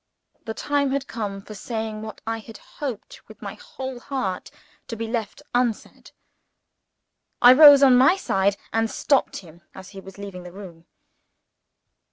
The time had come for saying what I had hoped with my whole heart to have left unsaid. I rose on my side, and stopped him as he was leaving the room.